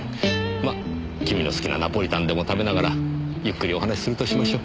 まあ君の好きなナポリタンでも食べながらゆっくりお話しするとしましょう。